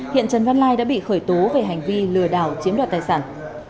hiện trần văn lai đã bị khởi tố về hành vi lừa đảo chiếm đoạt tài sản